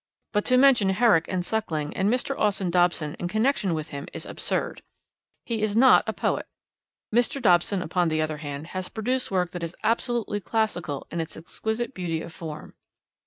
But to mention Herrick and Suckling and Mr. Austin Dobson in connection with him is absurd. He is not a poet. Mr. Dobson, upon the other hand, has produced work that is absolutely classical in its exquisite beauty of form.